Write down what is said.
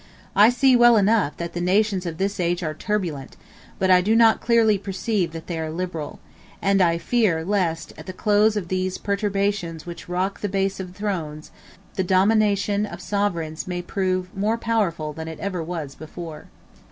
I see well enough that the nations of this age are turbulent, but I do not clearly perceive that they are liberal; and I fear lest, at the close of those perturbations which rock the base of thrones, the domination of sovereigns may prove more powerful than it ever was before.